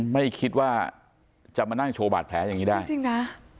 ไม่คิดว่าจะมานั่งโชว์บาดแผลอย่างนี้ได้จริงนะ